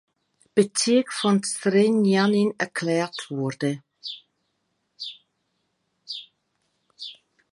Bezirk von Zrenjanin erklärt wurde.